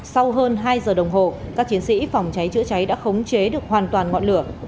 sau hơn hai giờ đồng hồ các chiến sĩ phòng cháy chữa cháy đã khống chế được hoàn toàn ngọn lửa